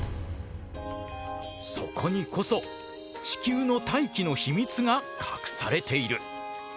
そこにこそ地球の大気の秘密が隠されている。